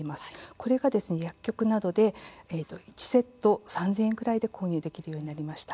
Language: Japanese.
これが薬局などで１セット３０００円くらいで購入できるようになりました。